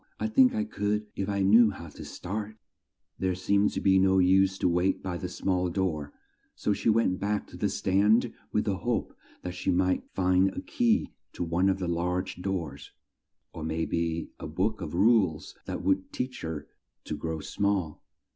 I think I could if I knew how to start." There seemed to be no use to wait by the small door, so she went back to the stand with the hope that she might find a key to one of the large doors, or may be a book of rules that would teach her to grow small.